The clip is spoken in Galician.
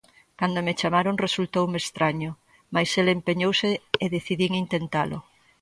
Cando me chamaron resultoume estraño, mais el empeñouse e decidín intentalo.